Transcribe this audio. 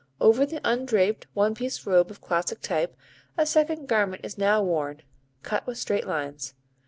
Over the undraped, one piece robe of classic type, a second garment is now worn, cut with straight lines.